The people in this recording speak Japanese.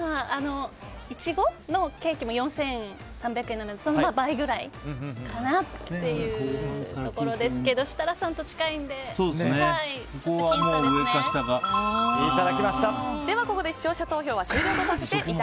イチゴのケーキも４３００円なのでその倍くらいかなっていうところですけど設楽さんと近いのであれこれ食べたいみんなと食べたいん！